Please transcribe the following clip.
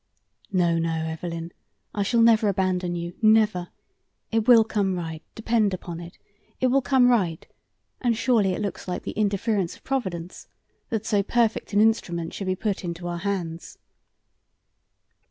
"No, no, Evelyn, I shall never abandon you never. It will come right depend upon it; it will come right, and surely it looks like the interference of Providence that so perfect an instrument should be put into our hands."